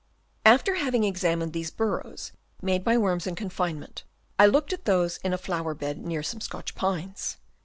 After having examined these burrows made by worms in confinement, I looked at those in a flower bed near, some Scotch pines.